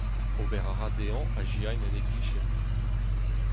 Ober a ra dezhañ azezañ en e gichen.